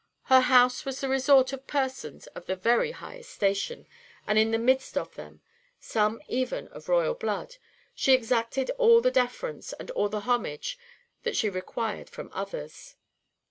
Her house was the resort of persons of the very highest station, and in the midst of them some even of royal blood she exacted all the deference and all the homage that she required from others."